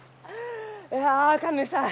いや神主さん